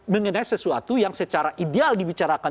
mengenai sesuatu yang secara ideal dibicarakan